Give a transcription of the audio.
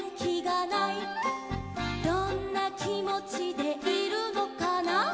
「どんなきもちでいるのかな」